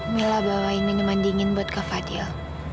milla bawa minuman dingin buat ke fadil